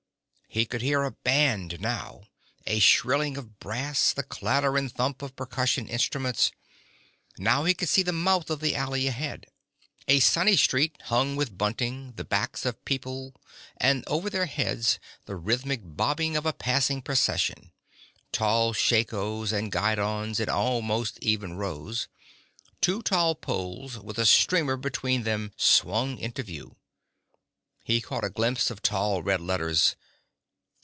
He could hear a band now, a shrilling of brass, the clatter and thump of percussion instruments. Now he could see the mouth of the alley ahead, a sunny street hung with bunting, the backs of people, and over their heads the rhythmic bobbing of a passing procession, tall shakos and guidons in almost even rows. Two tall poles with a streamer between them swung into view. He caught a glimpse of tall red letters